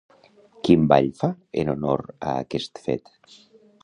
Quin ball fa en honor a aquest fet?